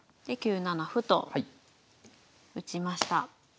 で９七歩と打ちました。